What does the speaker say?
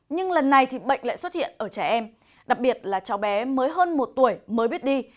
nhưng lần này thì bệnh lại xuất hiện ở trẻ em đặc biệt là cháu bé mới hơn một tuổi mới biết đi